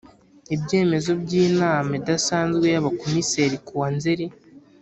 Ibyemezo by inama idasanzwe y abakomiseri yo kuwa nzeri